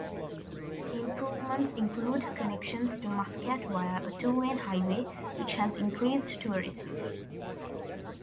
Improvements include connections to Muscat via a two-lane highway, which has increased tourism.